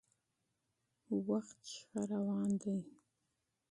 وخت ښه روان دی.